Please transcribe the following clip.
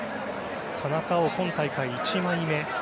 田中碧は今大会１枚目。